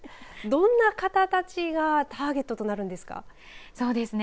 どんな方たちがターゲットとなるんですか。